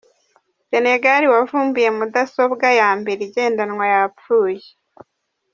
Senegare wavumbuye mudasobwa ya mbere igendanwa yapfuye